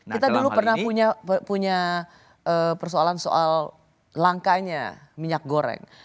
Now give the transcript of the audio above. kita dulu pernah punya persoalan soal langkanya minyak goreng